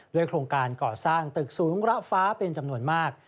โครงการก่อสร้างตึกสูงระฟ้าเป็นจำนวนมาก